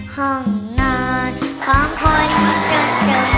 ห้องนอนของคนจน